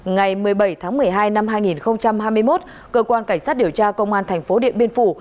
ngày một mươi bảy tháng một mươi hai năm hai nghìn hai mươi một cơ quan cảnh sát điều tra công an thành phố điện biên phủ